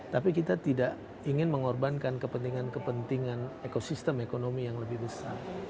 tapi kita tidak ingin mengorbankan kepentingan kepentingan ekosistem ekonomi yang lebih besar